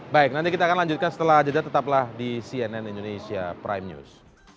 baik nanti kita akan lanjutkan setelah jeda tetaplah di cnn indonesia prime news